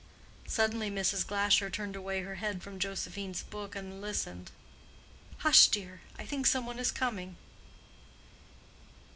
Suddenly Mrs. Glasher turned away her head from Josephine's book and listened. "Hush, dear! I think some one is coming."